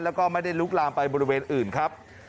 แล้วก็ไม่ได้ลุกลามไปบริเวณอื่นครับ